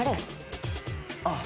あっ。